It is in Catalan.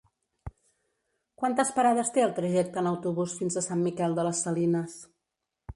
Quantes parades té el trajecte en autobús fins a Sant Miquel de les Salines?